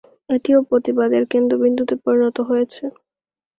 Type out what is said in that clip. এটিও প্রতিবাদের কেন্দ্রবিন্দুতে পরিণত হয়েছে।